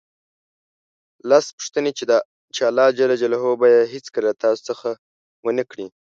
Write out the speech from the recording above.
لس پوښتنې چې الله ج به یې هېڅکله له تاسو څخه ونه کړي